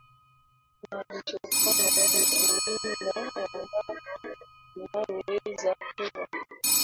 na alichofanya ni kuwinda wanyama anaoweza kula